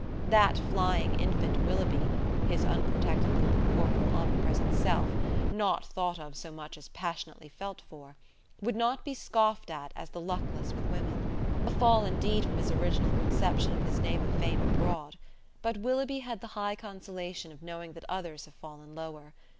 That flying infant Willoughby his unprotected little incorporeal omnipresent Self (not thought of so much as passionately felt for) would not be scoffed at as the luckless with women. A fall indeed from his original conception of his name of fame abroad! But Willoughby had the high consolation of knowing that others have fallen lower.